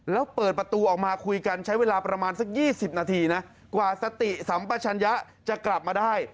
แล้วเปิดประตูออกมาคุยกันใช้เวลาประมาณสัก๒๐นาทีนะกว่าสติสัมปชัญญะจะกลับมาได้